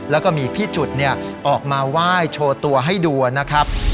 แล้วก็มีพี่จุดออกมาไหว้โชว์ตัวให้ดูนะครับ